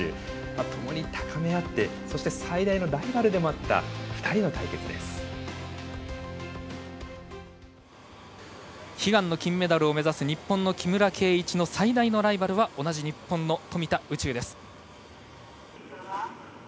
ともに高めあって、そして最大のライバルでもあった悲願の金メダルを目指す日本の木村敬一の最大のライバルは同じ日本の富田宇宙です。